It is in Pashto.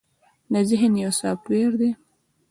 ذهن يو سافټ وئېر دے